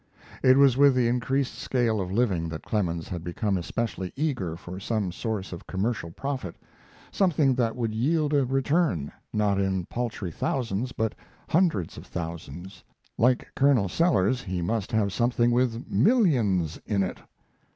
It was with the increased scale of living that Clemens had become especially eager for some source of commercial profit; something that would yield a return, not in paltry thousands, but hundreds of thousands. Like Colonel Sellers, he must have something with "millions in it."